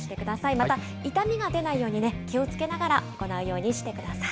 また痛みが出ないように気をつけながら行うようにしてください。